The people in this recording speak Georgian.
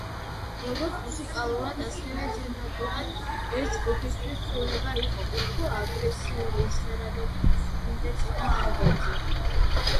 როგორც მუსიკალურად, ასევე თემატურად ეს ჯგუფისთვის ცვლილება იყო, უფრო აგრესიული ჟღერადობით, ვიდრე წინა ალბომებზე.